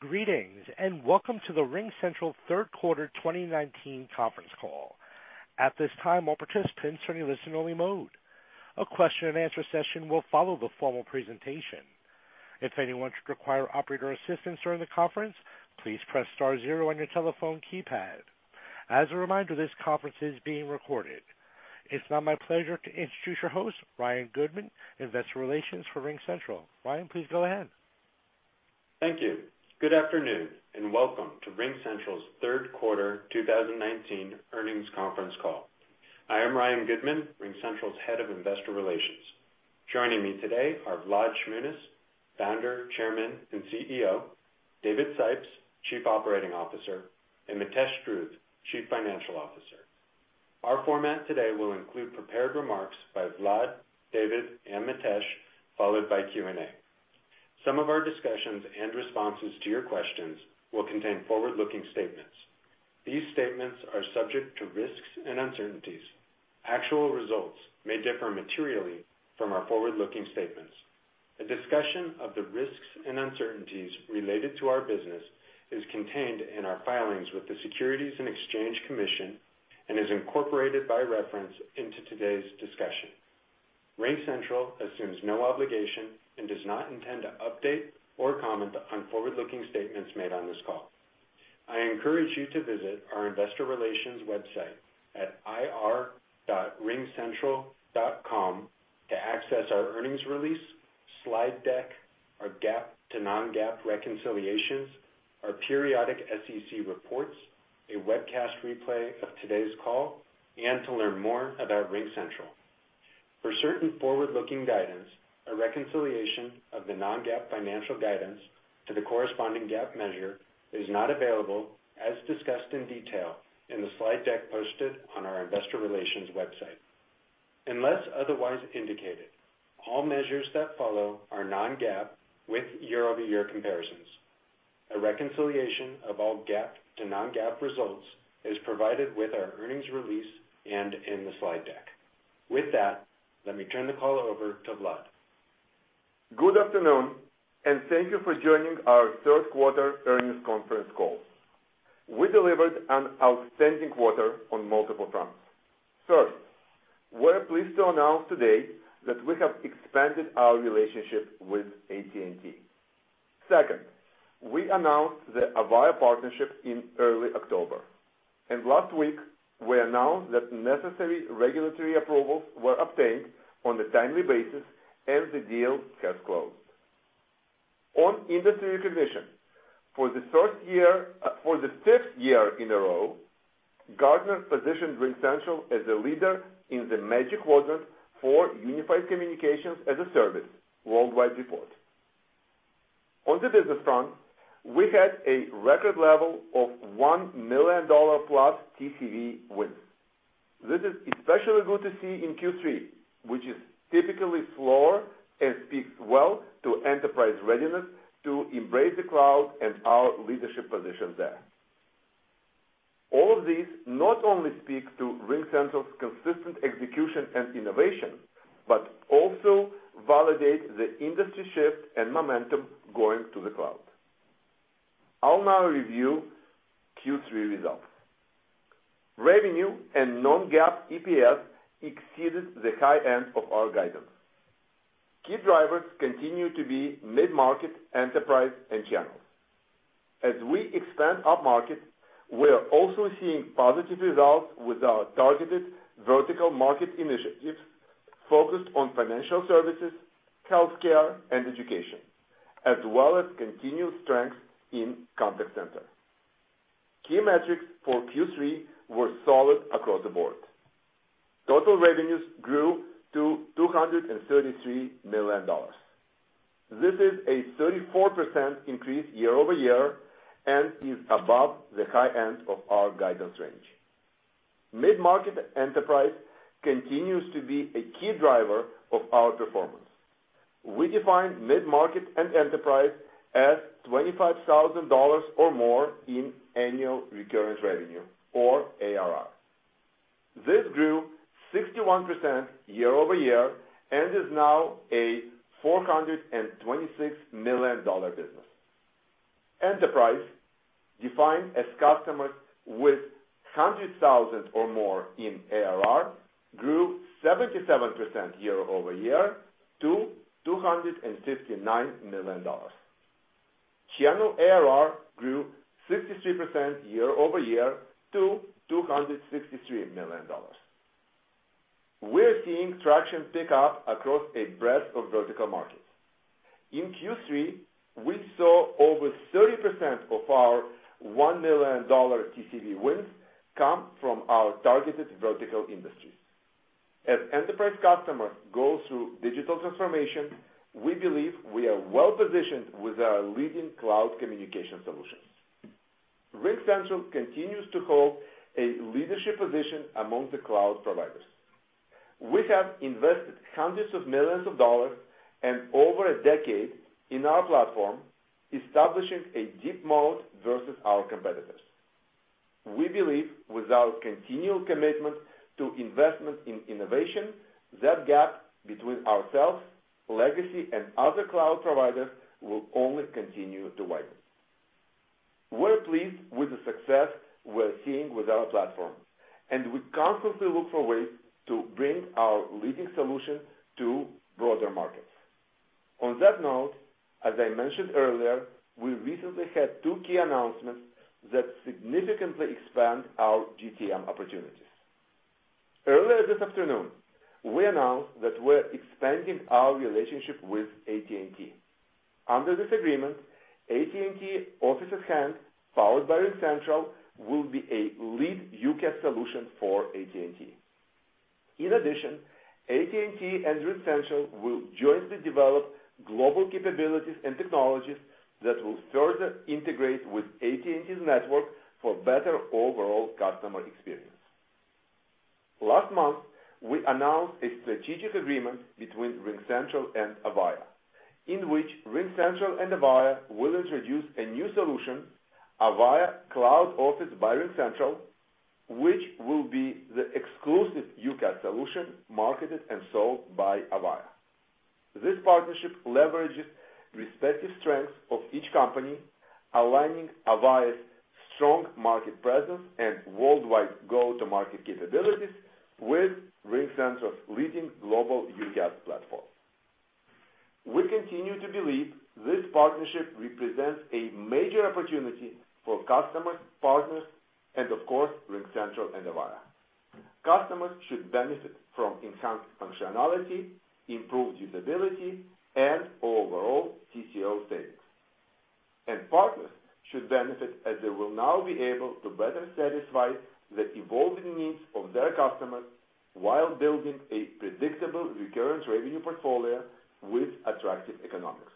Greetings, welcome to the RingCentral third quarter 2019 conference call. At this time, all participants are in listen-only mode. A question and answer session will follow the formal presentation. If anyone should require operator assistance during the conference, please press star zero on your telephone keypad. As a reminder, this conference is being recorded. It's now my pleasure to introduce your host, Ryan Goodman, Investor Relations for RingCentral. Ryan, please go ahead. Thank you. Good afternoon, welcome to RingCentral's third quarter 2019 earnings conference call. I am Ryan Goodman, RingCentral's Head of Investor Relations. Joining me today are Vlad Shmunis, Founder, Chairman, and CEO, David Sipes, Chief Operating Officer, and Mitesh Dhruv, Chief Financial Officer. Our format today will include prepared remarks by Vlad, David, and Mitesh, followed by Q&A. Some of our discussions and responses to your questions will contain forward-looking statements. These statements are subject to risks and uncertainties. Actual results may differ materially from our forward-looking statements. A discussion of the risks and uncertainties related to our business is contained in our filings with the Securities and Exchange Commission and is incorporated by reference into today's discussion. RingCentral assumes no obligation and does not intend to update or comment on forward-looking statements made on this call. I encourage you to visit our investor relations website at ir.ringcentral.com to access our earnings release, slide deck, our GAAP to non-GAAP reconciliations, our periodic SEC reports, a webcast replay of today's call, and to learn more about RingCentral. For certain forward-looking guidance, a reconciliation of the non-GAAP financial guidance to the corresponding GAAP measure is not available, as discussed in detail in the slide deck posted on our investor relations website. Unless otherwise indicated, all measures that follow are non-GAAP with year-over-year comparisons. A reconciliation of all GAAP to non-GAAP results is provided with our earnings release and in the slide deck. With that, let me turn the call over to Vlad. Good afternoon, and thank you for joining our third quarter earnings conference call. We delivered an outstanding quarter on multiple fronts. First, we're pleased to announce today that we have expanded our relationship with AT&T. Second, we announced the Avaya partnership in early October. Last week, we announced that the necessary regulatory approvals were obtained on a timely basis and the deal has closed. On industry recognition, for the fifth year in a row, Gartner positioned RingCentral as a leader in the Magic Quadrant for Unified Communications as a Service worldwide report. On the business front, we had a record level of $1 million-plus TCV wins. This is especially good to see in Q3, which is typically slower and speaks well to enterprise readiness to embrace the cloud and our leadership position there. All of these not only speak to RingCentral's consistent execution and innovation, but also validate the industry shift and momentum going to the cloud. I'll now review Q3 results. Revenue and non-GAAP EPS exceeded the high end of our guidance. Key drivers continue to be mid-market, enterprise, and channels. As we expand upmarket, we're also seeing positive results with our targeted vertical market initiatives focused on financial services, healthcare, and education, as well as continued strength in contact center. Key metrics for Q3 were solid across the board. Total revenues grew to $233 million. This is a 34% increase year-over-year and is above the high end of our guidance range. Mid-market enterprise continues to be a key driver of our performance. We define mid-market and enterprise as $25,000 or more in annual recurring revenue or ARR. This grew 61% year-over-year and is now a $426 million business. Enterprise, defined as customers with 100,000 or more in ARR, grew 77% year-over-year to $259 million. Channel ARR grew 63% year-over-year to $263 million. We're seeing traction pick up across a breadth of vertical markets. In Q3, we saw over 30% of our $1 million TCV wins come from our targeted vertical industries. As enterprise customers go through digital transformation, we believe we are well-positioned with our leading cloud communication solutions. RingCentral continues to hold a leadership position among the cloud providers. We have invested hundreds of millions of dollars and over a decade in our platform, establishing a deep moat versus our competitors. We believe without continual commitment to investment in innovation, that gap between ourselves, legacy, and other cloud providers will only continue to widen. We're pleased with the success we're seeing with our platforms, and we constantly look for ways to bring our leading solution to broader markets. On that note, as I mentioned earlier, we recently had two key announcements that significantly expand our GTM opportunities. Earlier this afternoon, we announced that we're expanding our relationship with AT&T. Under this agreement, AT&T Office@Hand, powered by RingCentral, will be a lead UCaaS solution for AT&T. In addition, AT&T and RingCentral will jointly develop global capabilities and technologies that will further integrate with AT&T's network for better overall customer experience. Last month, we announced a strategic agreement between RingCentral and Avaya, in which RingCentral and Avaya will introduce a new solution, Avaya Cloud Office by RingCentral, which will be the exclusive UCaaS solution marketed and sold by Avaya. This partnership leverages respective strengths of each company, aligning Avaya's strong market presence and worldwide go-to-market capabilities with RingCentral's leading global UCaaS platform. We continue to believe this partnership represents a major opportunity for customers, partners, and of course, RingCentral and Avaya. Customers should benefit from enhanced functionality, improved usability, and overall TCO savings. Partners should benefit as they will now be able to better satisfy the evolving needs of their customers while building a predictable recurring revenue portfolio with attractive economics.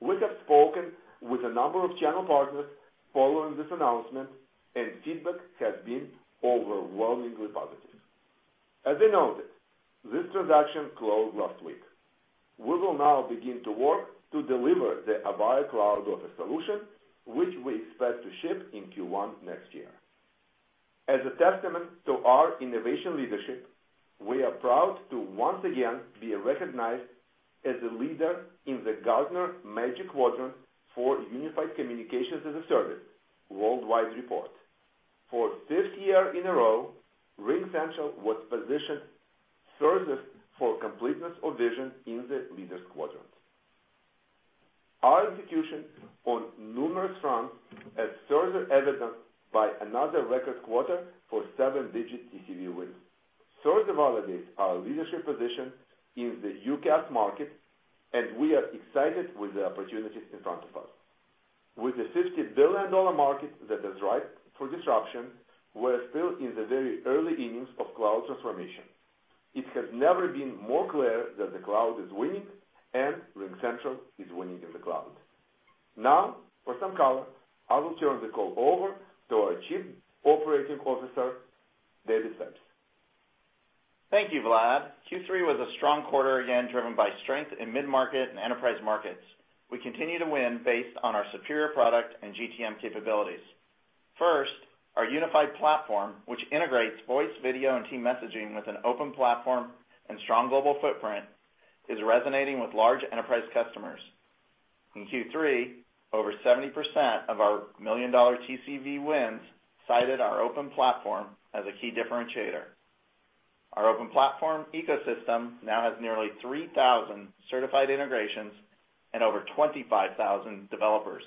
We have spoken with a number of channel partners following this announcement, and feedback has been overwhelmingly positive. As you know, this transaction closed last week. We will now begin to work to deliver the Avaya Cloud Office solution, which we expect to ship in Q1 next year. As a testament to our innovation leadership, we are proud to once again be recognized as a leader in the Gartner Magic Quadrant for Unified Communications as a Service worldwide report. For fifth year in a row, RingCentral was positioned furthest for completeness of vision in the leaders quadrant. Our execution on numerous fronts as further evidenced by another record quarter for seven-digit TCV wins, further validates our leadership position in the UCaaS market, and we are excited with the opportunities in front of us. With a $50 billion market that is ripe for disruption, we're still in the very early innings of cloud transformation. It has never been more clear that the cloud is winning, and RingCentral is winning in the cloud. Now, for some color, I will turn the call over to our Chief Operating Officer, David Sipes. Thank you, Vlad. Q3 was a strong quarter again, driven by strength in mid-market and enterprise markets. We continue to win based on our superior product and GTM capabilities. First, our unified platform, which integrates voice, video, and team messaging with an open platform and strong global footprint, is resonating with large enterprise customers. In Q3, over 70% of our million-dollar TCV wins cited our open platform as a key differentiator. Our open platform ecosystem now has nearly 3,000 certified integrations and over 25,000 developers.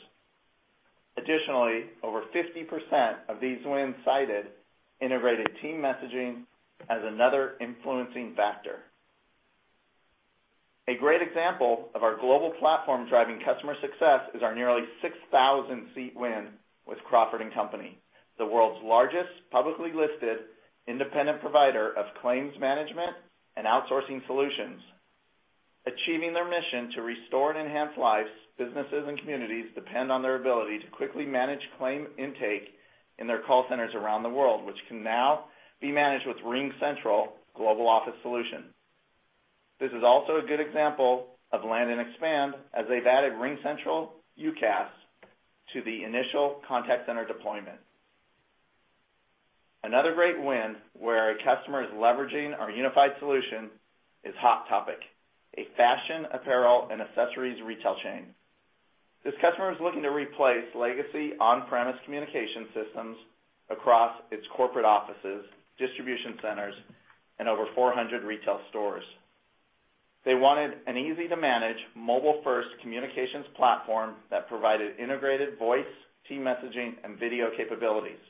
Additionally, over 50% of these wins cited integrated team messaging as another influencing factor. A great example of our global platform driving customer success is our nearly 6,000-seat win with Crawford & Company, the world's largest publicly listed independent provider of claims management and outsourcing solutions. Achieving their mission to restore and enhance lives, businesses, and communities depend on their ability to quickly manage claim intake in their call centers around the world, which can now be managed with RingCentral Global Office solution. This is also a good example of land and expand, as they've added RingCentral UCaaS to the initial contact center deployment. Another great win where a customer is leveraging our unified solution is Hot Topic, a fashion, apparel, and accessories retail chain. This customer is looking to replace legacy on-premise communication systems across its corporate offices, distribution centers, and over 400 retail stores. They wanted an easy-to-manage, mobile-first communications platform that provided integrated voice, team messaging, and video capabilities.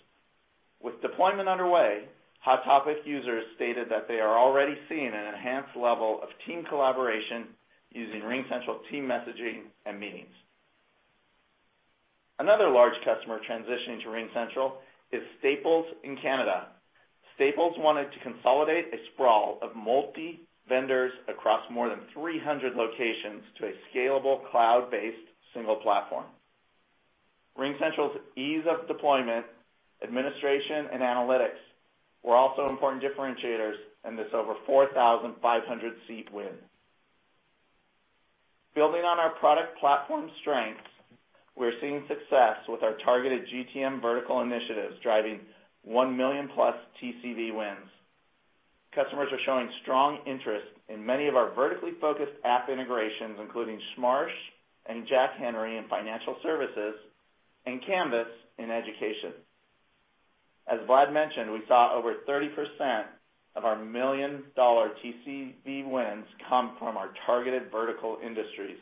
With deployment underway, Hot Topic users stated that they are already seeing an enhanced level of team collaboration using RingCentral team messaging and meetings. Another large customer transitioning to RingCentral is Staples in Canada. Staples wanted to consolidate a sprawl of multi-vendors across more than 300 locations to a scalable, cloud-based single platform. RingCentral's ease of deployment, administration, and analytics were also important differentiators in this over 4,500 seat win. Building on our product platform strengths, we're seeing success with our targeted GTM vertical initiatives driving $1 million plus TCV wins. Customers are showing strong interest in many of our vertically focused app integrations, including Smartsheet and Jack Henry in financial services, and Canvas in education. As Vlad mentioned, we saw over 30% of our million-dollar TCV wins come from our targeted vertical industries.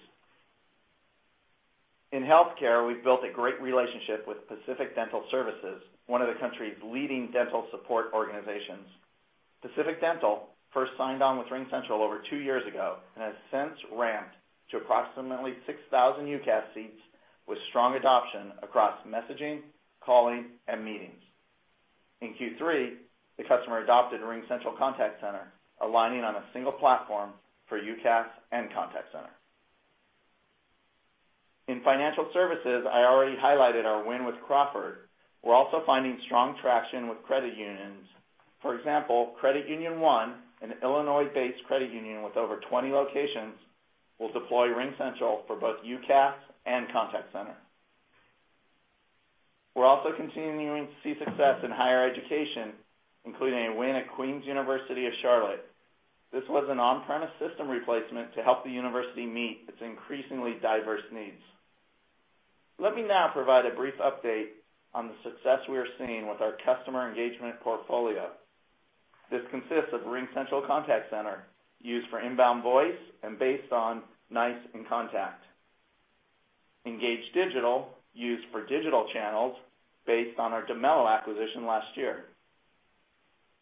In healthcare, we've built a great relationship with Pacific Dental Services, one of the country's leading dental support organizations. Pacific Dental first signed on with RingCentral over two years ago and has since ramped to approximately 6,000 UCaaS seats with strong adoption across messaging, calling, and meetings. In Q3, the customer adopted RingCentral Contact Center, aligning on a single platform for UCaaS and Contact Center. In financial services, I already highlighted our win with Crawford. We're also finding strong traction with credit unions. For example, Credit Union 1, an Illinois-based credit union with over 20 locations, will deploy RingCentral for both UCaaS and Contact Center. We're also continuing to see success in higher education, including a win at Queens University of Charlotte. This was an on-premise system replacement to help the university meet its increasingly diverse needs. Let me now provide a brief update on the success we are seeing with our customer engagement portfolio. This consists of RingCentral Contact Center used for inbound voice and based on NICE inContact, Engage Digital used for digital channels based on our Dimelo acquisition last year,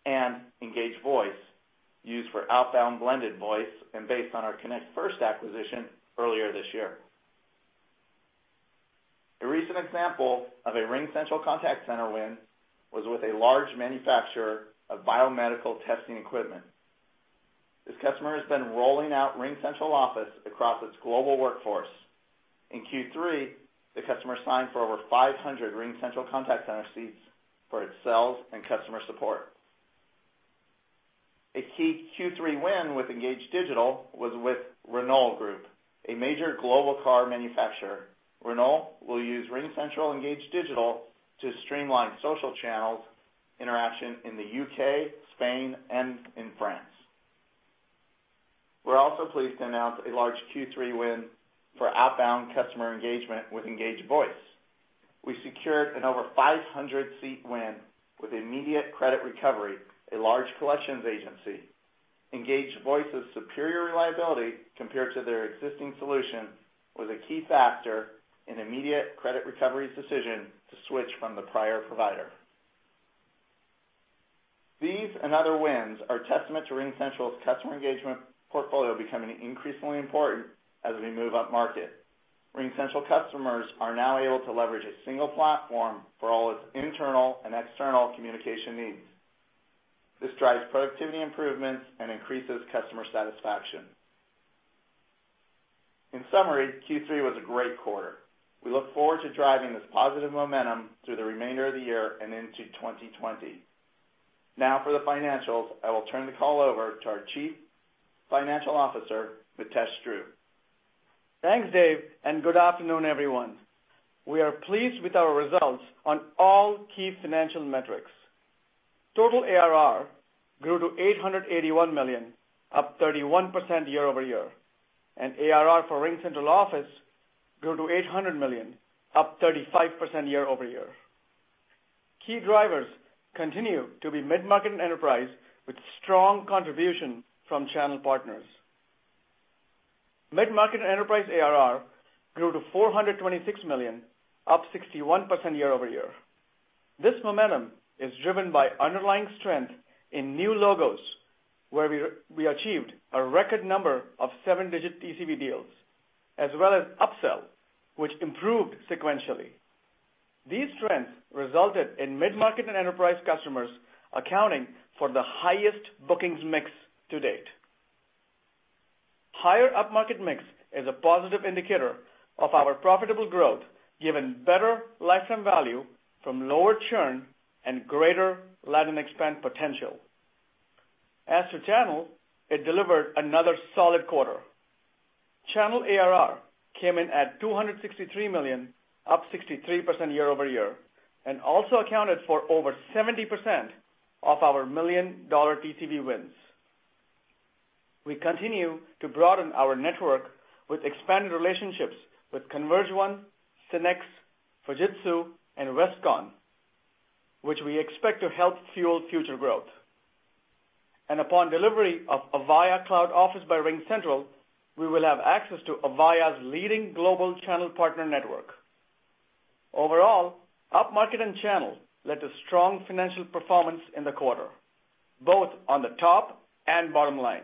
and Engage Voice used for outbound blended voice and based on our ConnectFirst acquisition earlier this year. A recent example of a RingCentral Contact Center win was with a large manufacturer of biomedical testing equipment. This customer has been rolling out RingCentral Office across its global workforce. In Q3, the customer signed for over 500 RingCentral Contact Center seats for its sales and customer support. A key Q3 win with Engage Digital was with Renault Group, a major global car manufacturer. Renault will use RingCentral Engage Digital to streamline social channels interaction in the U.K., Spain, and in France. We're also pleased to announce a large Q3 win for outbound customer engagement with Engage Voice. We secured an over 500-seat win with Immediate Credit Recovery, a large collections agency. RingCentral Engage Voice's superior reliability compared to their existing solution was a key factor in Immediate Credit Recovery's decision to switch from the prior provider. These and other wins are a testament to RingCentral's customer engagement portfolio becoming increasingly important as we move upmarket. RingCentral customers are now able to leverage a single platform for all its internal and external communication needs. This drives productivity improvements and increases customer satisfaction. In summary, Q3 was a great quarter. We look forward to driving this positive momentum through the remainder of the year and into 2020. Now for the financials, I will turn the call over to our Chief Financial Officer, Mitesh Dhruv. Thanks, Dave. Good afternoon, everyone. We are pleased with our results on all key financial metrics. Total ARR grew to $881 million, up 31% year-over-year, and ARR for RingCentral Office grew to $800 million, up 35% year-over-year. Key drivers continue to be mid-market and enterprise with strong contribution from channel partners. Mid-market and enterprise ARR grew to $426 million, up 61% year-over-year. This momentum is driven by underlying strength in new logos, where we achieved a record number of 7-digit TCV deals, as well as upsell, which improved sequentially. These trends resulted in mid-market and enterprise customers accounting for the highest bookings mix to date. Higher up-market mix is a positive indicator of our profitable growth, given better lifetime value from lower churn and greater land and expand potential. As to channel, it delivered another solid quarter. Channel ARR came in at $263 million, up 63% year-over-year, and also accounted for over 70% of our million-dollar TCV wins. We continue to broaden our network with expanded relationships with Convergint, Synnex, Fujitsu, and ResCon, which we expect to help fuel future growth. Upon delivery of Avaya Cloud Office by RingCentral, we will have access to Avaya's leading global channel partner network. Overall, upmarket and channel led to strong financial performance in the quarter, both on the top and bottom line.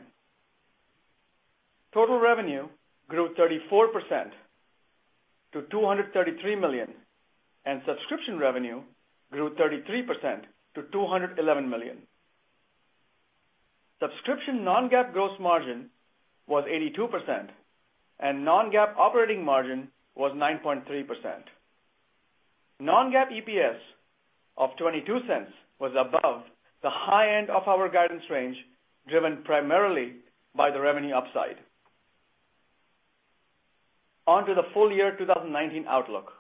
Total revenue grew 34% to $233 million, and subscription revenue grew 33% to $211 million. Subscription non-GAAP gross margin was 82%, and non-GAAP operating margin was 9.3%. Non-GAAP EPS of $0.22 was above the high end of our guidance range, driven primarily by the revenue upside. On to the full year 2019 outlook.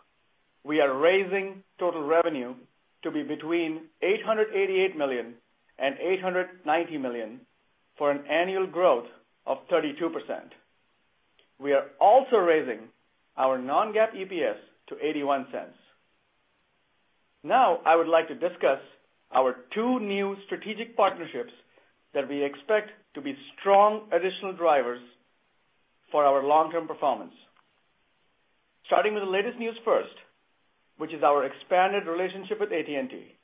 We are raising total revenue to be between $888 million and $890 million for an annual growth of 32%. We are also raising our non-GAAP EPS to $0.81. I would like to discuss our two new strategic partnerships that we expect to be strong additional drivers for our long-term performance. Starting with the latest news first, which is our expanded relationship with AT&T.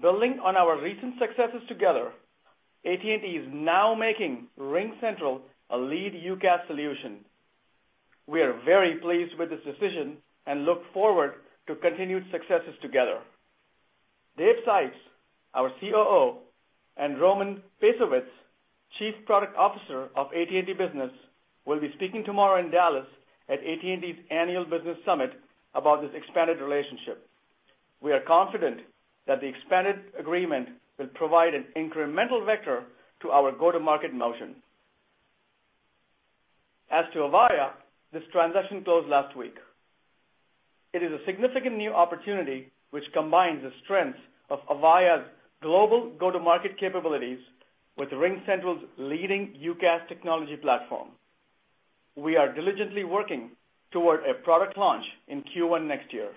Building on our recent successes together, AT&T is now making RingCentral a lead UCaaS solution. We are very pleased with this decision and look forward to continued successes together. Dave Sipes, our COO, and Roman Pacewicz, Chief Product Officer of AT&T Business, will be speaking tomorrow in Dallas at AT&T's annual business summit about this expanded relationship. We are confident that the expanded agreement will provide an incremental vector to our go-to-market motion. As to Avaya, this transaction closed last week. It is a significant new opportunity which combines the strengths of Avaya's global go-to-market capabilities with RingCentral's leading UCaaS technology platform. We are diligently working toward a product launch in Q1 next year.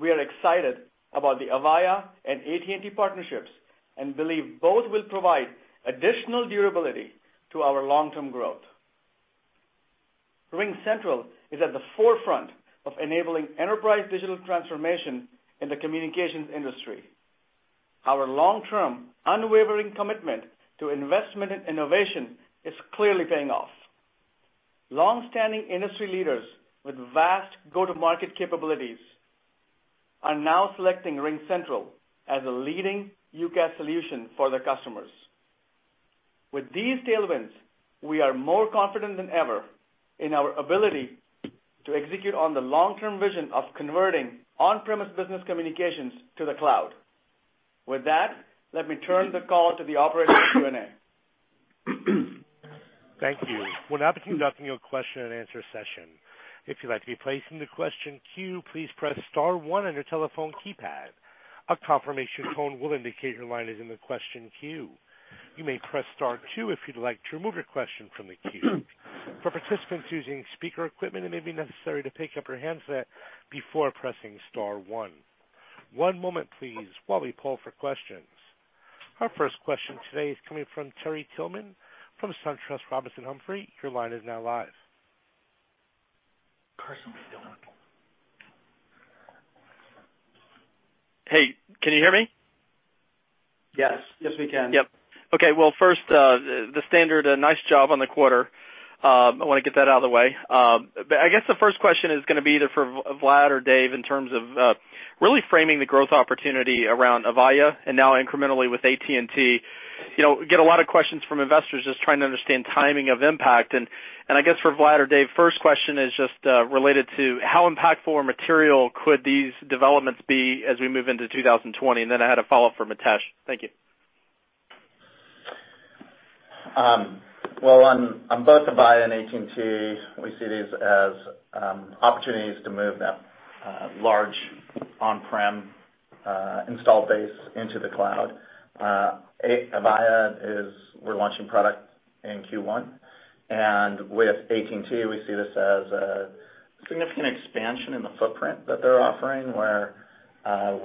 We are excited about the Avaya and AT&T partnerships and believe both will provide additional durability to our long-term growth. RingCentral is at the forefront of enabling enterprise digital transformation in the communications industry. Our long-term, unwavering commitment to investment and innovation is clearly paying off. Long-standing industry leaders with vast go-to-market capabilities are now selecting RingCentral as a leading UCaaS solution for their customers. With these tailwinds, we are more confident than ever in our ability to execute on the long-term vision of converting on-premise business communications to the cloud. With that, let me turn the call to the operator for Q&A. Thank you. We'll now be conducting your question and answer session. If you'd like to be placed into question queue, please press star 1 on your telephone keypad. A confirmation tone will indicate your line is in the question queue. You may press star 2 if you'd like to remove your question from the queue. For participants using speaker equipment, it may be necessary to pick up your handset before pressing star 1. One moment please while we poll for questions. Our first question today is coming from Terry Tillman from SunTrust Robinson Humphrey. Your line is now live. Hey, can you hear me? Yes. Yes, we can. Yep. Okay. Well, first, the standard nice job on the quarter. I want to get that out of the way. I guess the first question is going to be either for Vlad or Dave in terms of really framing the growth opportunity around Avaya and now incrementally with AT&T. We get a lot of questions from investors just trying to understand timing of impact. I guess for Vlad or Dave, first question is just related to how impactful or material could these developments be as we move into 2020? Then I had a follow-up for Mitesh. Thank you. Well, on both Avaya and AT&T, we see these as opportunities to move that large on-prem install base into the cloud. We're launching product in Q1, and with AT&T, we see this as a significant expansion in the footprint that they're offering, where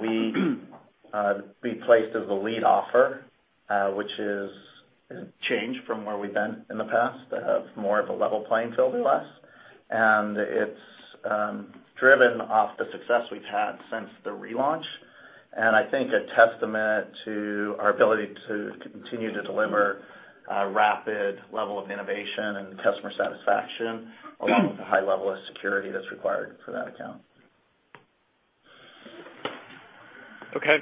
we'd be placed as the lead offer, which is a change from where we've been in the past, of more of a level playing field with us. It's driven off the success we've had since the relaunch, and I think a testament to our ability to continue to deliver a rapid level of innovation and customer satisfaction along with the high level of security that's required for that account. Okay.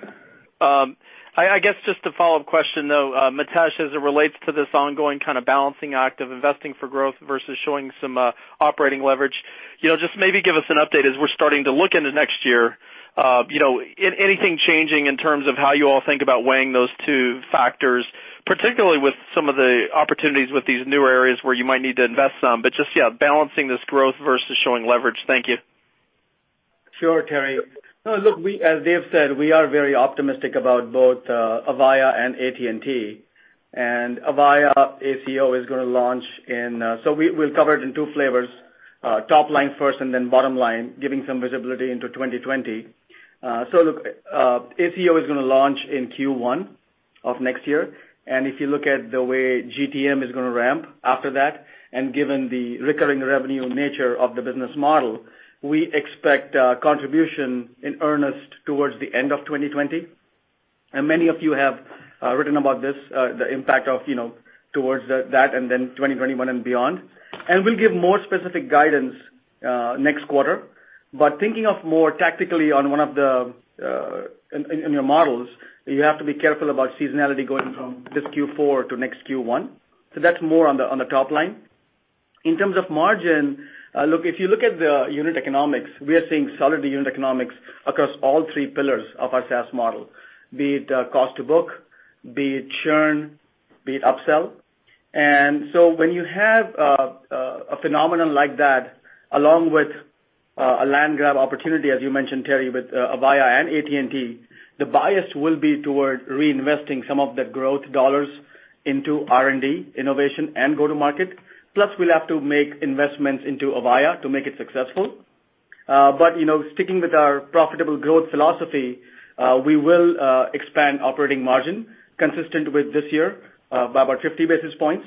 I guess just a follow-up question, though, Mitesh, as it relates to this ongoing kind of balancing act of investing for growth versus showing some operating leverage. Just maybe give us an update as we're starting to look into next year. Anything changing in terms of how you all think about weighing those two factors, particularly with some of the opportunities with these newer areas where you might need to invest some, but just, yeah, balancing this growth versus showing leverage. Thank you. Sure, Terry. Look, as Dave said, we are very optimistic about both Avaya and AT&T. We'll cover it in two flavors, top line first and then bottom line, giving some visibility into 2020. Look, ACO is going to launch in Q1 of next year, and if you look at the way GTM is going to ramp after that, and given the recurring revenue nature of the business model, we expect contribution in earnest towards the end of 2020. Many of you have written about this, the impact of towards that, and then 2021 and beyond. We'll give more specific guidance next quarter. Thinking of more tactically in your models, you have to be careful about seasonality going from this Q4 to next Q1. That's more on the top line. In terms of margin, if you look at the unit economics, we are seeing solid unit economics across all three pillars of our SaaS model, be it cost to book, be it churn, be it upsell. When you have a phenomenon like that, along with a land grab opportunity, as you mentioned, Terry, with Avaya and AT&T, the bias will be toward reinvesting some of the growth dollars into R&D, innovation, and go-to-market. We'll have to make investments into Avaya to make it successful. Sticking with our profitable growth philosophy, we will expand operating margin consistent with this year by about 50 basis points.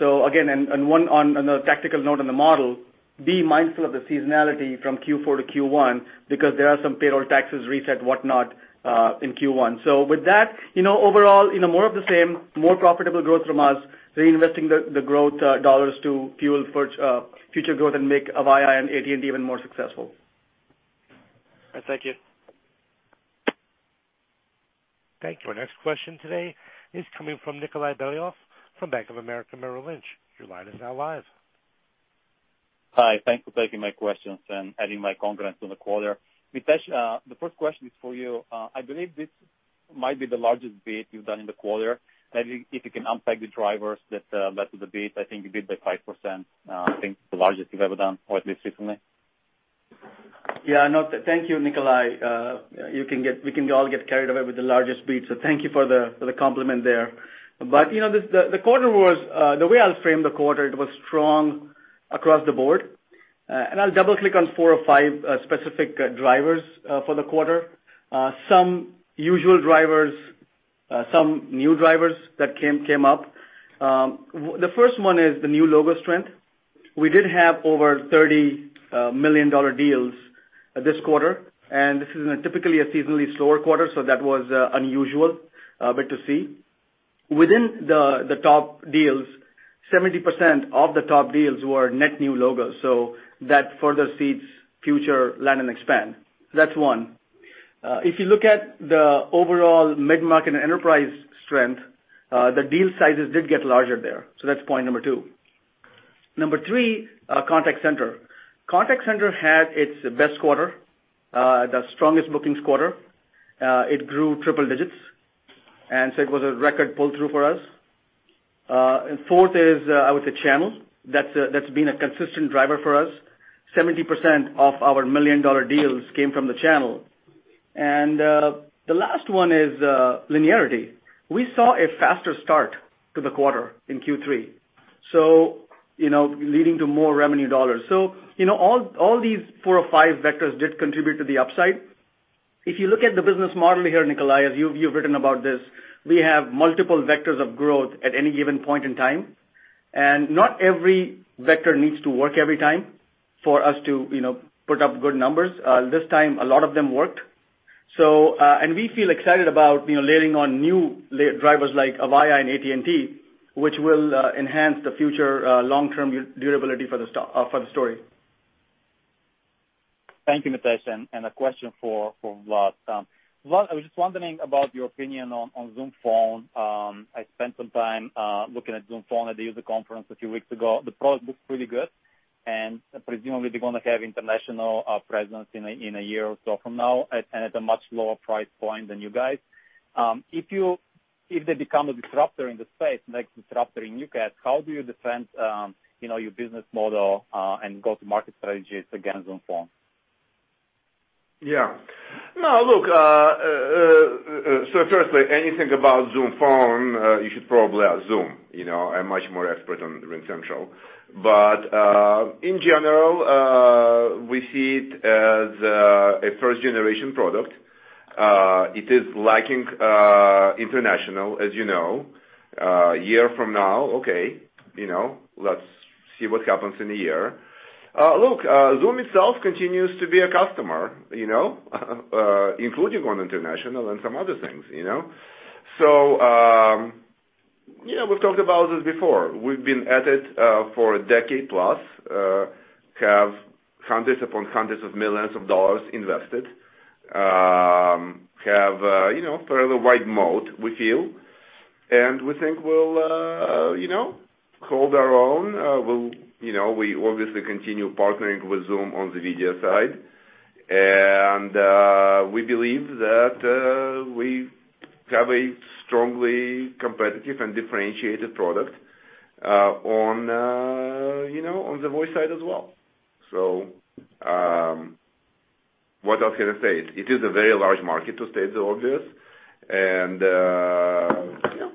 Again, on a tactical note on the model, be mindful of the seasonality from Q4 to Q1 because there are some payroll taxes reset, whatnot, in Q1. With that, overall, more of the same, more profitable growth from us, reinvesting the growth dollars to fuel future growth and make Avaya and AT&T even more successful. All right, thank you. Thank you. Our next question today is coming from Nikolay Beliov from Bank of America Merrill Lynch. Your line is now live. Hi. Thank you for taking my questions and adding my confidence to the quarter. Mitesh, the first question is for you. I believe this might be the largest beat you've done in the quarter. Maybe if you can unpack the drivers that led to the beat. I think you beat by 5%. I think the largest you've ever done, or at least recently. Yeah. Thank you, Nikolay. We can all get carried away with the largest beat, thank you for the compliment there. The way I'll frame the quarter, it was strong across the board. I'll double-click on four or five specific drivers for the quarter. Some usual drivers, some new drivers that came up. The first one is the new logo strength. We did have over $30 million deals this quarter, this is typically a seasonally slower quarter, that was unusual a bit to see. Within the top deals, 70% of the top deals were net new logos, that further seeds future land and expand. That's one. If you look at the overall mid-market and enterprise strength, the deal sizes did get larger there. That's point number two. Number three, contact center. Contact center had its best quarter, the strongest bookings quarter. It grew triple digits. It was a record pull-through for us. Fourth is, I would say, channel. That's been a consistent driver for us. 70% of our million-dollar deals came from the channel. The last one is linearity. We saw a faster start to the quarter in Q3, so leading to more revenue dollars. All these four or five vectors did contribute to the upside. If you look at the business model here, Nikolay, as you've written about this, we have multiple vectors of growth at any given point in time, and not every vector needs to work every time for us to put up good numbers. This time, a lot of them worked. We feel excited about layering on new drivers like Avaya and AT&T, which will enhance the future long-term durability for the story. Thank you, Mitesh, and a question for Vlad. Vlad, I was just wondering about your opinion on Zoom Phone. I spent some time looking at Zoom Phone at the user conference a few weeks ago. The product looks really good, and presumably they're going to have international presence in a year or so from now, and at a much lower price point than you guys. If they become a disruptor in the space, next disruptor in UCaaS, how do you defend your business model and go-to-market strategies against Zoom Phone? Yeah. Firstly, anything about Zoom Phone, you should probably ask Zoom. I'm much more expert on RingCentral. In general, we see it as a first-generation product. It is lacking international, as you know. A year from now, okay, let's see what happens in a year. Look, Zoom itself continues to be a customer, including on international and some other things. We've talked about this before. We've been at it for a decade plus, have hundreds upon hundreds of millions of dollars invested, have a fairly wide moat, we feel, and we think we'll hold our own. We obviously continue partnering with Zoom on the video side. We believe that we have a strongly competitive and differentiated product on the voice side as well. What else can I say? It is a very large market, to state the obvious, and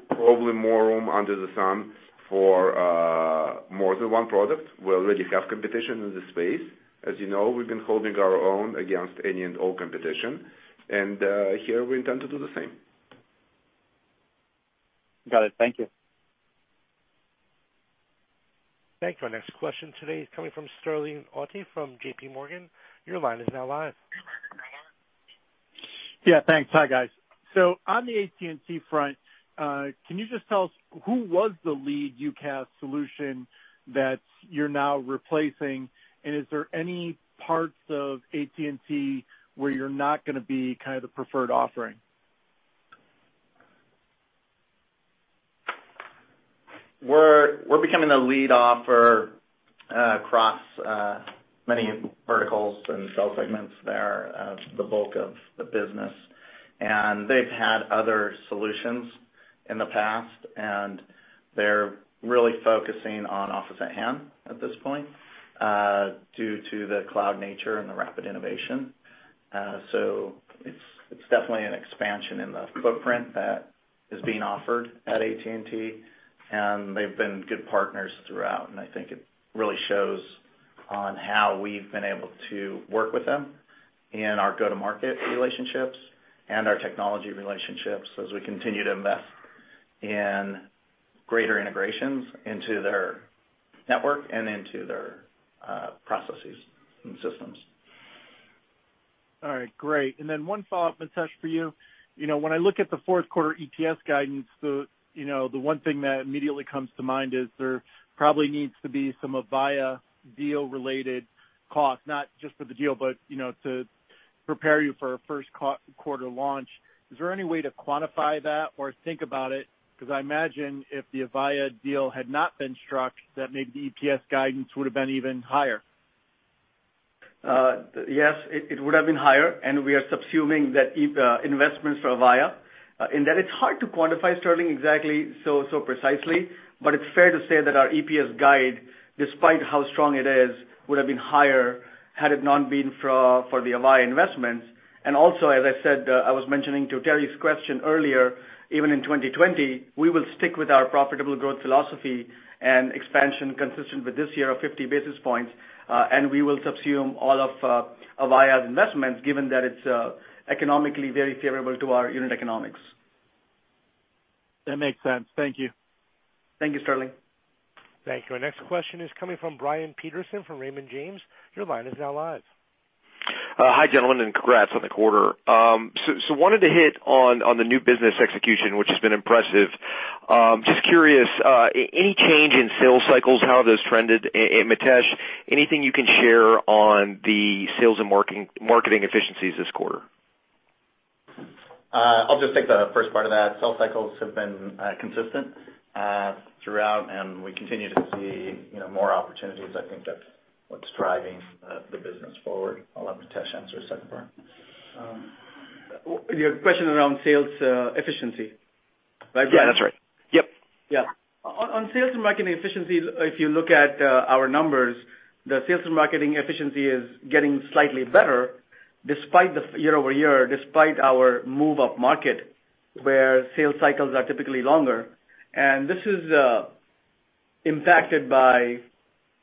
probably more room under the sun for more than one product. We already have competition in the space. As you know, we've been holding our own against any and all competition. Here we intend to do the same. Got it. Thank you. Thank you. Our next question today is coming from Sterling Auty from JPMorgan. Your line is now live. Yeah, thanks. Hi, guys. On the AT&T front, can you just tell us who was the lead UCaaS solution that you're now replacing? Is there any parts of AT&T where you're not going to be the preferred offering? We're becoming the lead offer across many verticals and cell segments there, the bulk of the business. They've had other solutions in the past, and they're really focusing on AT&T Office@Hand at this point, due to the cloud nature and the rapid innovation. It's definitely an expansion in the footprint that is being offered at AT&T, and they've been good partners throughout, and I think it really shows on how we've been able to work with them in our go-to-market relationships and our technology relationships as we continue to invest in greater integrations into their network and into their processes and systems. All right, great. One follow-up, Mitesh, for you. When I look at the fourth quarter EPS guidance, the one thing that immediately comes to mind is there probably needs to be some Avaya deal-related cost, not just for the deal, but to prepare you for a first quarter launch. Is there any way to quantify that or think about it? I imagine if the Avaya deal had not been struck, that maybe the EPS guidance would have been even higher. Yes, it would have been higher, and we are subsuming that investments for Avaya, in that it's hard to quantify, Sterling, exactly so precisely. It's fair to say that our EPS guide, despite how strong it is, would have been higher had it not been for the Avaya investments. As I said, I was mentioning to Terry's question earlier, even in 2020, we will stick with our profitable growth philosophy and expansion consistent with this year of 50 basis points, and we will subsume all of Avaya's investments given that it's economically very favorable to our unit economics. That makes sense. Thank you. Thank you, Sterling. Thank you. Our next question is coming from Brian Peterson from Raymond James. Your line is now live. Hi, gentlemen, and congrats on the quarter. Wanted to hit on the new business execution, which has been impressive. Just curious, any change in sales cycles, how have those trended? Mitesh, anything you can share on the sales and marketing efficiencies this quarter? I'll just take the first part of that. Sales cycles have been consistent throughout, and we continue to see more opportunities. I think that's what's driving the business forward. I'll let Mitesh answer the second part. Your question around sales efficiency, right? Yeah, that's right. Yep. Yeah. On sales and marketing efficiencies, if you look at our numbers, the sales and marketing efficiency is getting slightly better despite the year-over-year, despite our move up market, where sales cycles are typically longer. This is impacted by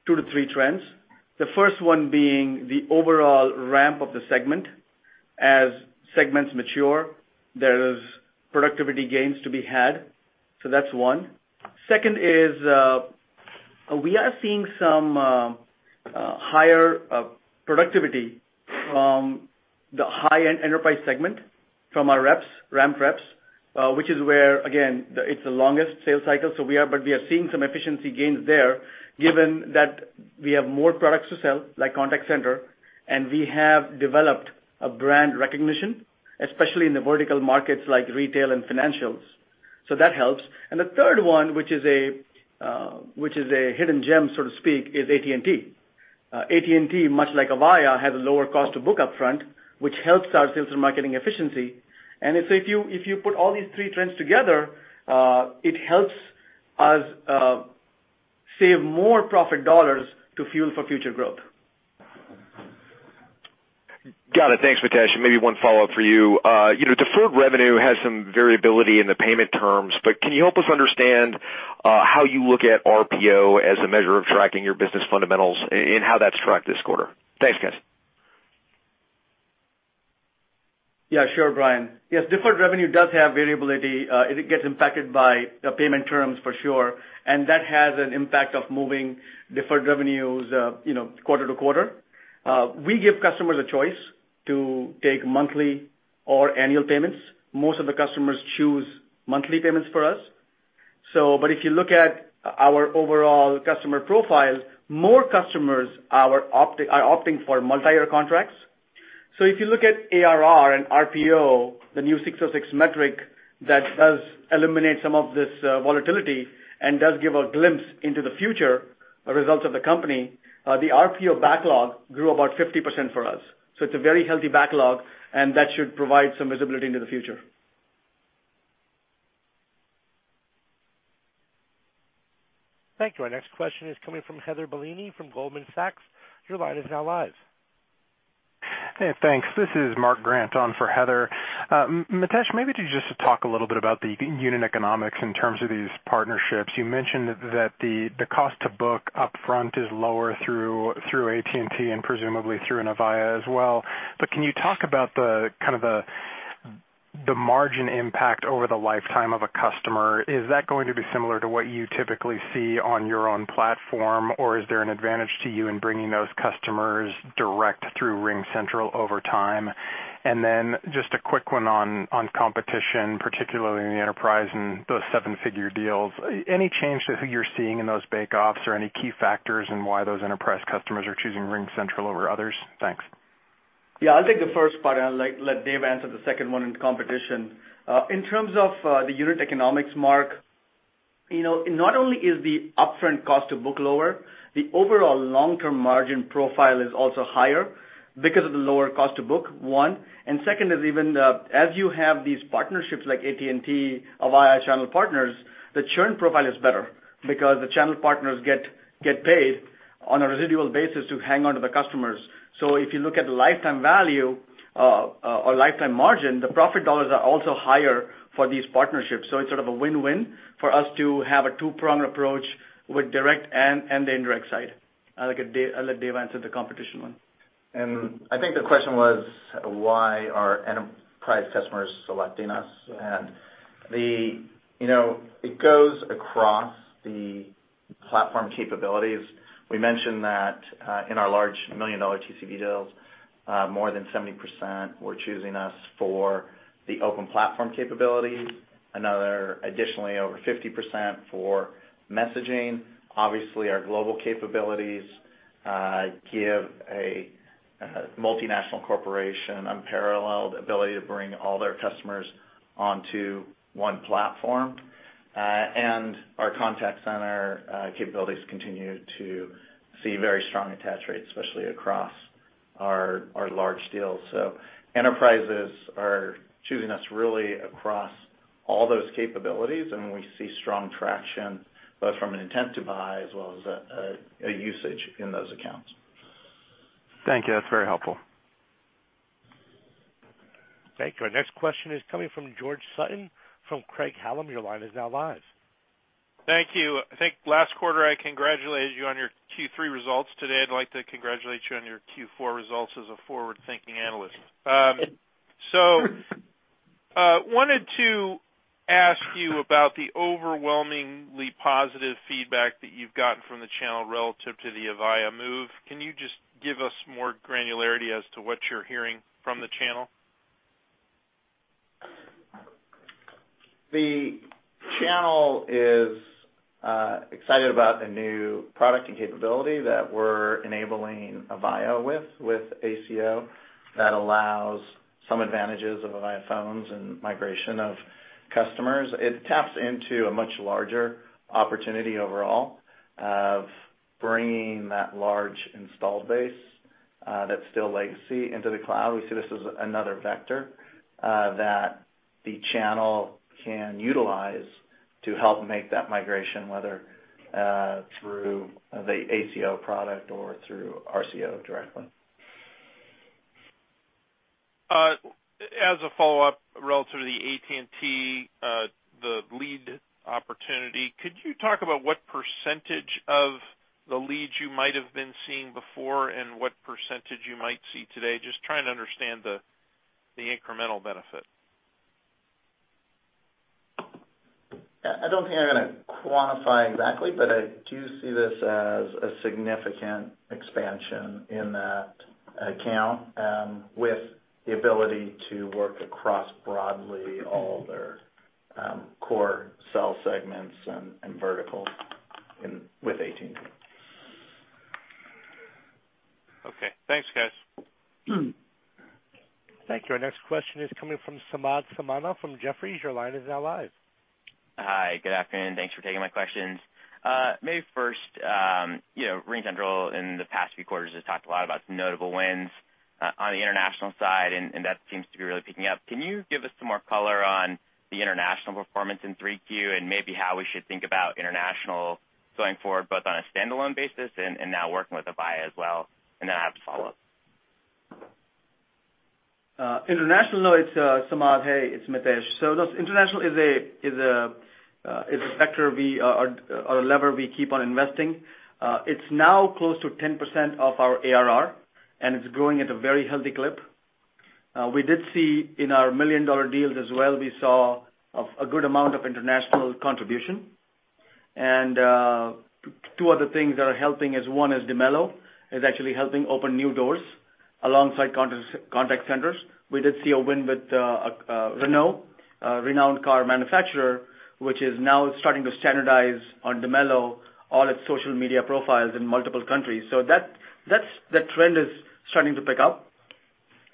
2-3 trends. The first one being the overall ramp of the segment. As segments mature, there's productivity gains to be had. That's one. Second is, we are seeing some higher productivity from the high-end enterprise segment from our reps, ramp reps, which is where, again, it's the longest sales cycle, but we are seeing some efficiency gains there given that we have more products to sell, like contact center, and we have developed a brand recognition, especially in the vertical markets like retail and financials. That helps. The third one, which is a hidden gem, so to speak, is AT&T. AT&T, much like Avaya, has a lower cost to book upfront, which helps our sales and marketing efficiency. If you put all these three trends together, it helps us save more profit dollars to fuel for future growth. Got it. Thanks, Mitesh. Maybe one follow-up for you. Deferred revenue has some variability in the payment terms, but can you help us understand how you look at RPO as a measure of tracking your business fundamentals and how that's tracked this quarter? Thanks, guys. Yeah, sure, Brian. Yes, deferred revenue does have variability. It gets impacted by the payment terms for sure, and that has an impact of moving deferred revenues quarter to quarter. We give customers a choice to take monthly or annual payments. Most of the customers choose monthly payments for us. If you look at our overall customer profiles, more customers are opting for multi-year contracts. If you look at ARR and RPO, the new 606 metric that does eliminate some of this volatility and does give a glimpse into the future results of the company, the RPO backlog grew about 50% for us. It's a very healthy backlog, and that should provide some visibility into the future. Thank you. Our next question is coming from Heather Bellini from Goldman Sachs. Your line is now live. Hey, thanks. This is Mark Grant on for Heather. Mitesh, maybe just to talk a little bit about the unit economics in terms of these partnerships. You mentioned that the cost to book upfront is lower through AT&T and presumably through Avaya as well. Can you talk about the margin impact over the lifetime of a customer? Is that going to be similar to what you typically see on your own platform, or is there an advantage to you in bringing those customers direct through RingCentral over time? Just a quick one on competition, particularly in the enterprise and those seven-figure deals. Any change to who you're seeing in those bake-offs or any key factors in why those enterprise customers are choosing RingCentral over others? Thanks. Yeah, I'll take the first part, and I'll let Dave answer the second one in competition. In terms of the unit economics, Mark, not only is the upfront cost to book lower, the overall long-term margin profile is also higher because of the lower cost to book, one. Second is even as you have these partnerships like AT&T, Avaya channel partners, the churn profile is better because the channel partners get paid on a residual basis to hang on to the customers. If you look at the lifetime value or lifetime margin, the profit dollars are also higher for these partnerships. It's sort of a win-win for us to have a two-pronged approach with direct and the indirect side. I'll let Dave answer the competition one. I think the question was why are enterprise customers selecting us? It goes across the platform capabilities. We mentioned that in our large million-dollar TCV deals, more than 70% were choosing us for the open platform capabilities. Another additionally over 50% for messaging. Obviously, our global capabilities give a multinational corporation unparalleled ability to bring all their customers onto one platform. Our contact center capabilities continue to see very strong attach rates, especially across our large deals. Enterprises are choosing us really across all those capabilities, and we see strong traction, both from an intent to buy as well as a usage in those accounts. Thank you. That's very helpful. Thank you. Our next question is coming from George Sutton from Craig-Hallum. Your line is now live. Thank you. I think last quarter, I congratulated you on your Q3 results. Today, I'd like to congratulate you on your Q4 results as a forward-thinking analyst. Wanted to ask you about the overwhelmingly positive feedback that you've gotten from the channel relative to the Avaya move. Can you just give us more granularity as to what you're hearing from the channel? The channel is excited about the new product and capability that we're enabling Avaya with ACO that allows some advantages of Avaya phones and migration of customers. It taps into a much larger opportunity overall of bringing that large installed base that's still legacy into the cloud. We see this as another vector that the channel can utilize to help make that migration, whether through the ACO product or through RCO directly. As a follow-up relative to the AT&T, the lead opportunity, could you talk about what percentage of the leads you might have been seeing before and what percentage you might see today? Just trying to understand the incremental benefit. I don't think I'm going to quantify exactly, but I do see this as a significant expansion in that account with the ability to work across broadly all their core cell segments and verticals with AT&T. Okay. Thanks, guys. Thank you. Our next question is coming from Samad Samana from Jefferies. Your line is now live. Hi, good afternoon. Thanks for taking my questions. Maybe first RingCentral in the past few quarters has talked a lot about notable wins on the international side, and that seems to be really picking up. Can you give us some more color on the international performance in 3Q and maybe how we should think about international going forward, both on a standalone basis and now working with Avaya as well? I have a follow-up. International, Samad, hey, it's Mitesh. International is a factor or a lever we keep on investing. It's now close to 10% of our ARR, and it's growing at a very healthy clip. We did see in our million-dollar deals as well, we saw a good amount of international contribution. Two other things that are helping is, one is Dimelo, is actually helping open new doors alongside contact centers. We did see a win with Renault, a renowned car manufacturer, which is now starting to standardize on Dimelo all its social media profiles in multiple countries. That trend is starting to pick up,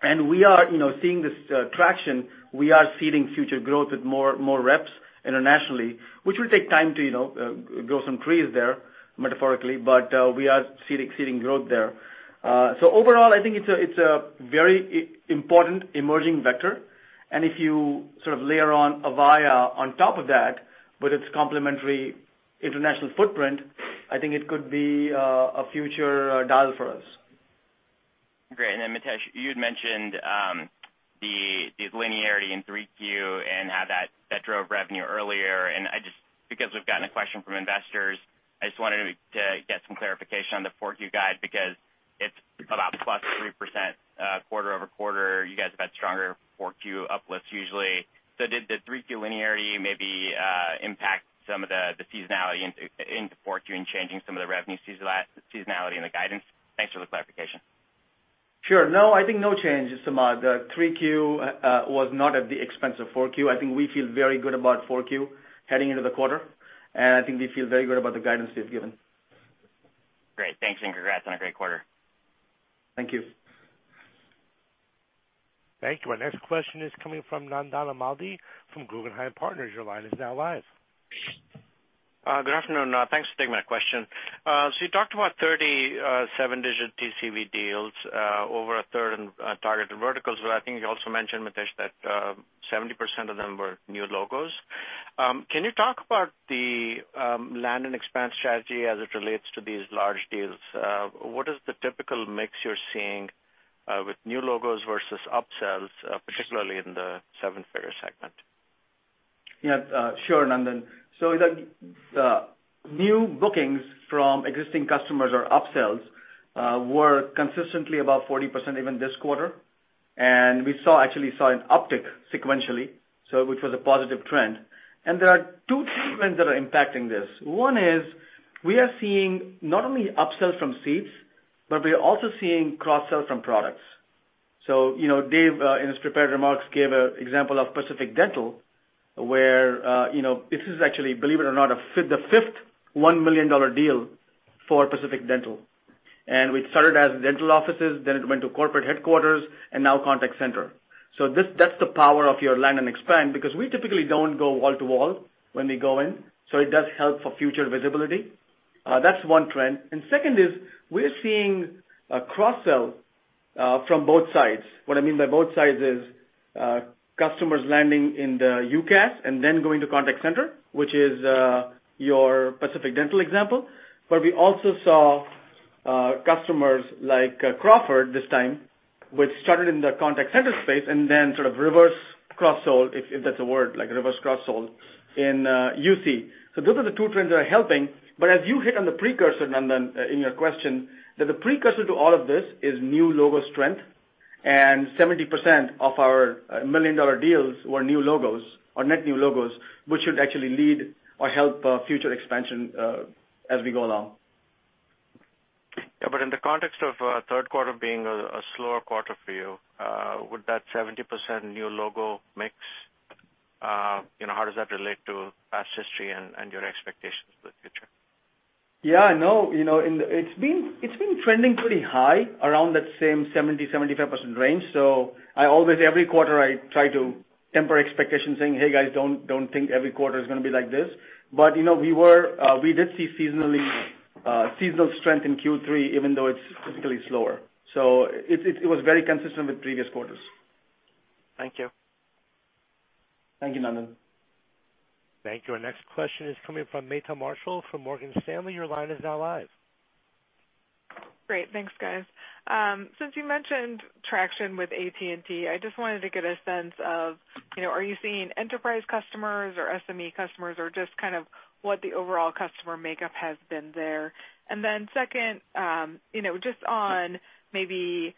and we are seeing this traction. We are seeding future growth with more reps internationally, which will take time to grow some trees there, metaphorically, but we are seeding growth there. Overall, I think it's a very important emerging vector. If you sort of layer on Avaya on top of that with its complementary international footprint, I think it could be a future dial for us. Great. Mitesh, you had mentioned the linearity in 3Q and how that drove revenue earlier. Just because we've gotten a question from investors, I just wanted to get some clarification on the 4Q guide because it's about plus 3% quarter-over-quarter. You guys have had stronger 4Q uplifts usually. Did the 3Q linearity maybe impact some of the seasonality into 4Q in changing some of the revenue seasonality in the guidance? Thanks for the clarification. Sure. No, I think no change, Samad. 3Q was not at the expense of 4Q. I think we feel very good about 4Q heading into the quarter, and I think we feel very good about the guidance we've given. Great. Thanks and congrats on a great quarter. Thank you. Thank you. Our next question is coming from Nandan Amladi from Guggenheim Partners. Your line is now live. Good afternoon. Thanks for taking my question. You talked about 30 seven-digit TCV deals over a third in targeted verticals, but I think you also mentioned, Mitesh, that 70% of them were new logos. Can you talk about the land and expand strategy as it relates to these large deals? What is the typical mix you're seeing with new logos versus upsells, particularly in the seven-figure segment? Yeah. Sure, Nandan. The new bookings from existing customers or upsells, were consistently above 40% even this quarter. We actually saw an uptick sequentially, which was a positive trend. There are two, three trends that are impacting this. One is we are seeing not only upsells from seats, but we are also seeing cross-sells from products. Dave, in his prepared remarks, gave an example of Pacific Dental where this is actually, believe it or not, the fifth $1 million deal for Pacific Dental. We started as dental offices, then it went to corporate headquarters, and now contact center. That's the power of your land and expand, because we typically don't go wall to wall when we go in, so it does help for future visibility. That's one trend. Second is we're seeing a cross-sell from both sides. What I mean by both sides is, customers landing in the UCaaS and then going to contact center, which is your Pacific Dental example. We also saw customers like Crawford this time, which started in the contact center space and then sort of reverse cross-sold, if that's a word, like reverse cross-sold in UC. Those are the two trends that are helping. As you hit on the precursor, Nandan, in your question, that the precursor to all of this is new logo strength and 70% of our million-dollar deals were new logos or net new logos, which should actually lead or help future expansion as we go along. In the context of third quarter being a slower quarter for you, would that 70% new logo mix, how does that relate to past history and your expectations for the future? Yeah, I know. It's been trending pretty high around that same 70%-75% range. Every quarter I try to temper expectations saying, "Hey guys, don't think every quarter is going to be like this." We did see seasonal strength in Q3, even though it's typically slower. It was very consistent with previous quarters. Thank you. Thank you, Nandan. Thank you. Our next question is coming from Meta Marshall from Morgan Stanley. Your line is now live. Great. Thanks, guys. Since you mentioned traction with AT&T, I just wanted to get a sense of are you seeing enterprise customers or SME customers, or just what the overall customer makeup has been there. Second, just on maybe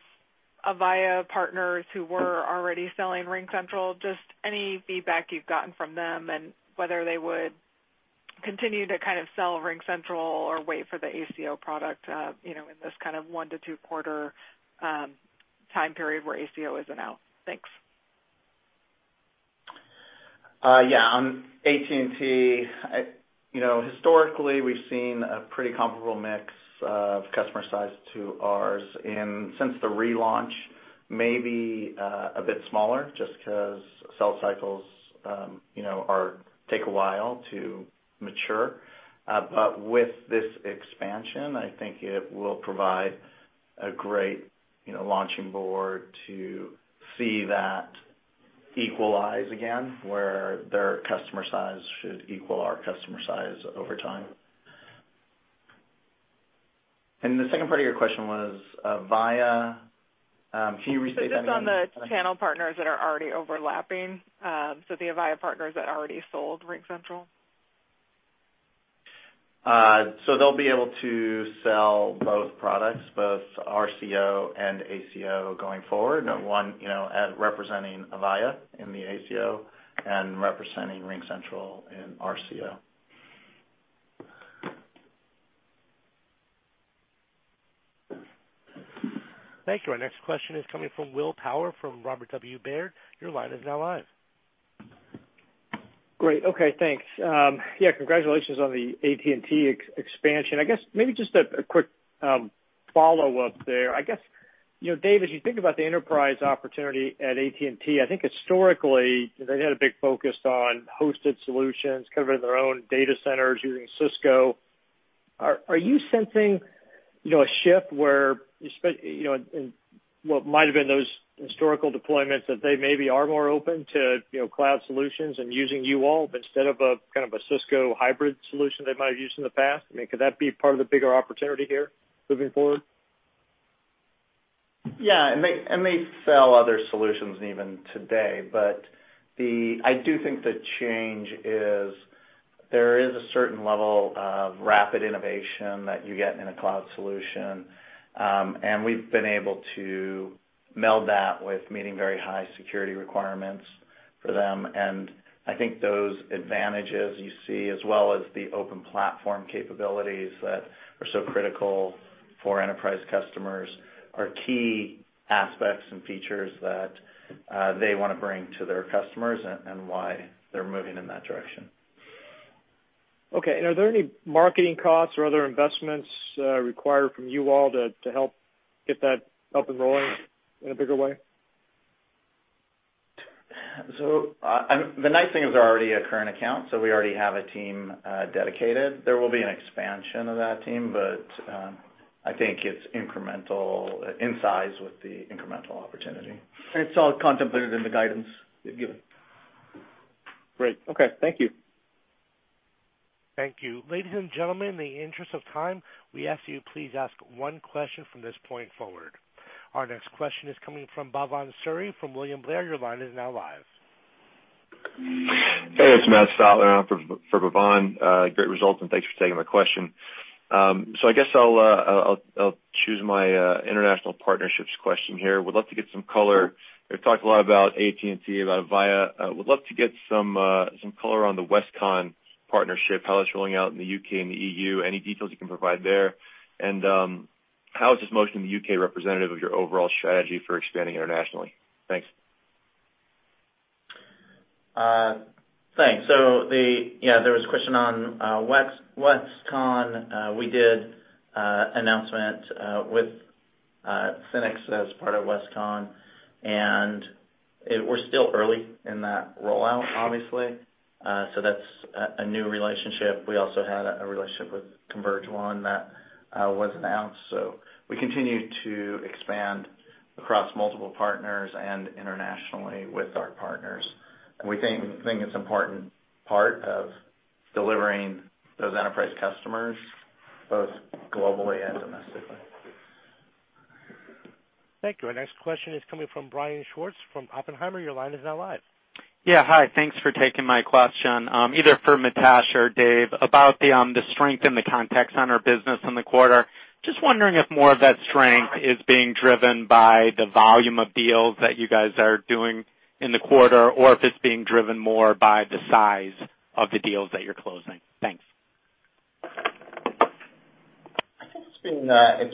Avaya partners who were already selling RingCentral, just any feedback you've gotten from them and whether they would continue to sell RingCentral or wait for the ACO product in this one to two quarter time period where ACO isn't out. Thanks. Yeah. On AT&T, historically we've seen a pretty comparable mix of customer size to ours. Since the relaunch, maybe a bit smaller just because sell cycles take a while to mature. With this expansion, I think it will provide a great launching board to see that equalize again, where their customer size should equal our customer size over time. The second part of your question was Avaya, can you restate that one? Just on the channel partners that are already overlapping. The Avaya partners that already sold RingCentral. They'll be able to sell both products, both RCO and ACO going forward. One representing Avaya in the ACO and representing RingCentral in RCO. Thank you. Our next question is coming from Will Power, from Robert W. Baird. Your line is now live. Great. Okay, thanks. Yeah, congratulations on the AT&T expansion. I guess maybe just a quick follow-up there. I guess, David, as you think about the enterprise opportunity at AT&T, I think historically they had a big focus on hosted solutions, kind of in their own data centers using Cisco. Are you sensing a shift where, in what might have been those historical deployments, that they maybe are more open to cloud solutions and using you all instead of a Cisco hybrid solution they might have used in the past? I mean, could that be part of the bigger opportunity here moving forward? Yeah. They sell other solutions even today. I do think the change is there is a certain level of rapid innovation that you get in a cloud solution. We've been able to meld that with meeting very high security requirements for them. I think those advantages you see, as well as the open platform capabilities that are so critical for enterprise customers are key aspects and features that they want to bring to their customers and why they're moving in that direction. Okay. Are there any marketing costs or other investments required from you all to help get that up and rolling in a bigger way? The nice thing is they're already a current account, so we already have a team dedicated. There will be an expansion of that team, but I think it's incremental in size with the incremental opportunity. It's all contemplated in the guidance we've given. Great. Okay. Thank you. Thank you. Ladies and gentlemen, in the interest of time, we ask you please ask one question from this point forward. Our next question is coming from Bhavan Suri from William Blair. Your line is now live. Hey, it's Matt. I think it's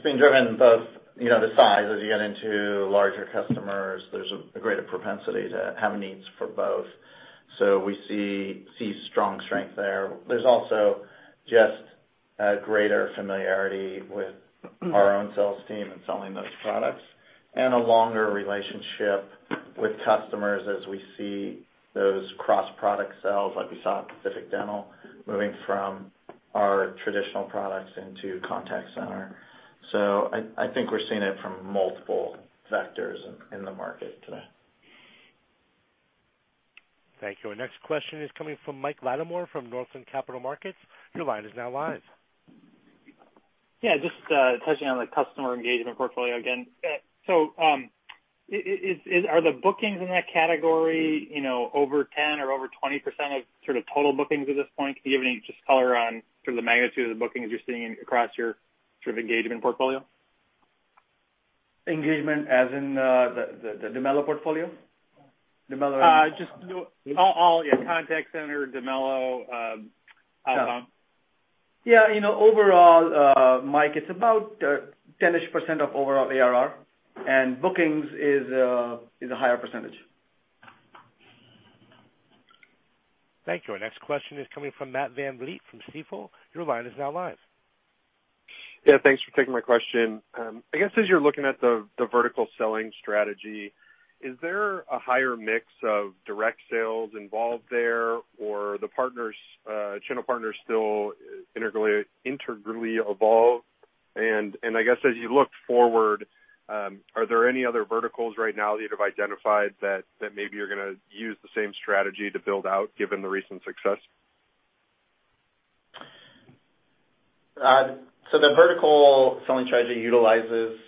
been driven both the size as you get into larger customers, there's a greater propensity to have needs for both. We see strong strength there. There's also just a greater familiarity with our own sales team in selling those products and a longer relationship with customers as we see those cross-product sales, like we saw with Pacific Dental, moving from our traditional products into contact center. I think we're seeing it from multiple vectors in the market today. Thank you. Our next question is coming from Mike Latimore from Northland Capital Markets. Your line is now live. Yeah, just touching on the customer engagement portfolio again. Are the bookings in that category over 10 or over 20% of sort of total bookings at this point? Can you give any, just color on sort of the magnitude of the bookings you're seeing across your sort of engagement portfolio? Engagement as in the Dimelo portfolio? Just all, yeah, contact center, Dimelo, outbound. Yeah. Overall, Mike, it's about 10-ish % of overall ARR, and bookings is a higher percentage. Thank you. Our next question is coming from Matt Van Bleet from Stifel. Your line is now live. Yeah, thanks for taking my question. I guess as you're looking at the vertical selling strategy, is there a higher mix of direct sales involved there, or are the channel partners still integrally involved? I guess as you look forward, are there any other verticals right now that you've identified that maybe you're gonna use the same strategy to build out given the recent success? The vertical selling strategy utilizes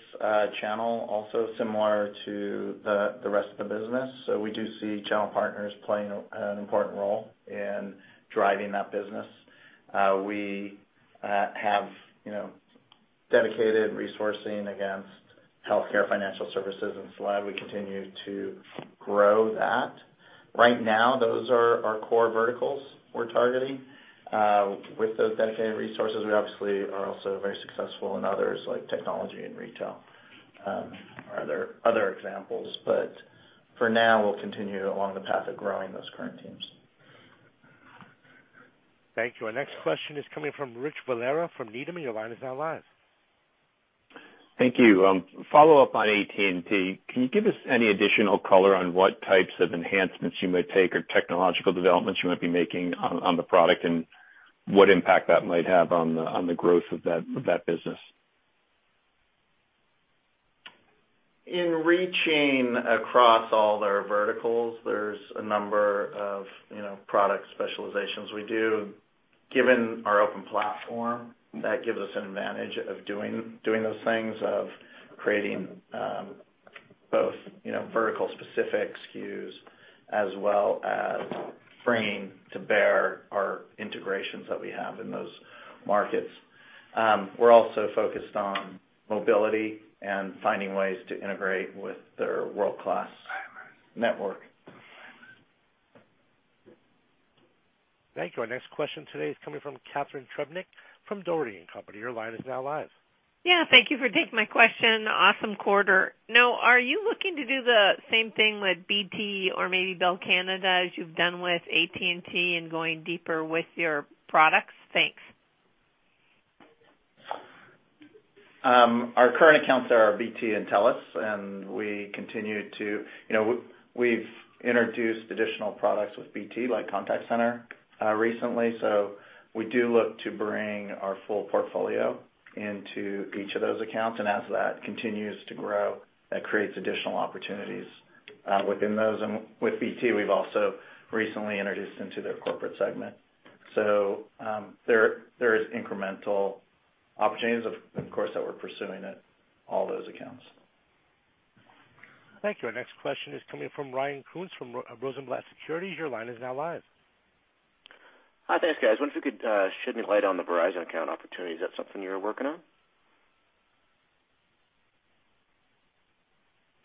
channel also similar to the rest of the business. We do see channel partners playing an important role in driving that business. We have dedicated resourcing against healthcare financial services, we continue to grow that. Right now, those are our core verticals we're targeting. With those dedicated resources, we obviously are also very successful in others like technology and retail are other examples. For now, we'll continue along the path of growing those current teams. Thank you. Our next question is coming from Rich Valera from Needham. Your line is now live. Thank you. Follow-up on AT&T. Can you give us any additional color on what types of enhancements you might take or technological developments you might be making on the product, and what impact that might have on the growth of that business? In reaching across all their verticals, there's a number of product specializations we do. Given our open platform, that gives us an advantage of doing those things, of creating both vertical specific SKUs as well as bringing to bear our integrations that we have in those markets. We're also focused on mobility and finding ways to integrate with their world-class network. Thank you. Our next question today is coming from Catharine Trebnick from Dougherty & Company. Your line is now live. Yeah, thank you for taking my question. Awesome quarter. Now, are you looking to do the same thing with BT or maybe Bell Canada as you've done with AT&T and going deeper with your products? Thanks. Our current accounts are BT and Telus. We've introduced additional products with BT, like Contact Center recently. We do look to bring our full portfolio into each of those accounts. As that continues to grow, that creates additional opportunities within those. With BT, we've also recently introduced into their corporate segment. There is incremental opportunities of course, that we're pursuing at all those accounts. Thank you. Our next question is coming from Ryan Koons from Rosenblatt Securities. Your line is now live. Hi. Thanks, guys. I wonder if you could shed any light on the Verizon account opportunity. Is that something you're working on?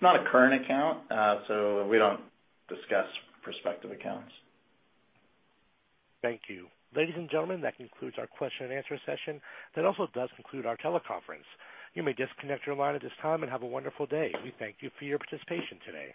Not a current account. We don't discuss prospective accounts. Thank you. Ladies and gentlemen, that concludes our question and answer session. That also does conclude our teleconference. You may disconnect your line at this time and have a wonderful day. We thank you for your participation today.